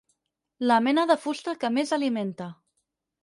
La mena de fusta que més alimenta.